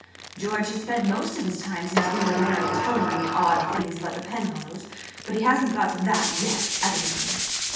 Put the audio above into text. "George has spent most of his time since we were married telling me odd things about the Penhallows, but he hasn't got to that yet, evidently."